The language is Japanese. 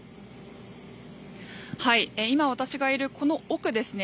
今、私がいるこの奥ですね